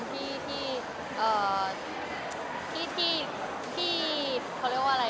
ที่เต็มที่กับการช่วยเผื่อคนอื่น